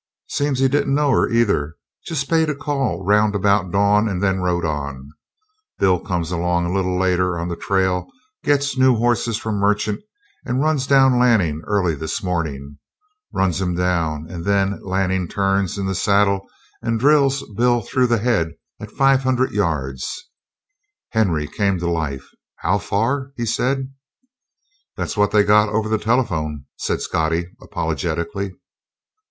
"Seems he didn't know her, either. Just paid a call round about dawn and then rode on. Bill comes along a little later on the trail, gets new horses from Merchant, and runs down Lanning early this morning. Runs him down, and then Lanning turns in the saddle and drills Bill through the head at five hundred yards." Henry came to life. "How far?" he said. "That's what they got over the telephone," said Scottie apologetically.